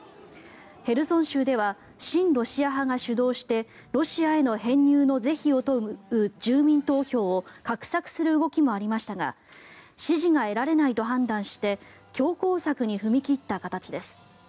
ヘルソン州では親ロシア派が主導してロシアへの編入の是非を問う住民投票を画策する動きもありましたが支持が得られないと判断して強硬策に踏み切った形です。